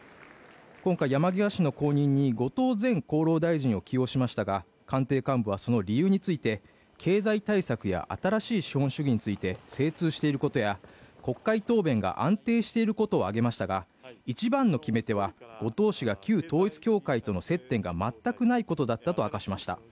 今回、山際氏の後任に後藤前厚労大臣を起用しましたが官邸幹部は、その理由について経済対策や新しい資本主義について精通していることや国会答弁が安定していることを挙げましたが一番の決め手は、後藤氏が旧統一教会との接点が全くないことだったと明かしました。